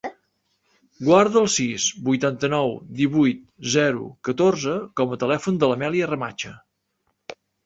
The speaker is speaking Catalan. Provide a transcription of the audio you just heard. Guarda el sis, vuitanta-nou, divuit, zero, catorze com a telèfon de l'Amèlia Remacha.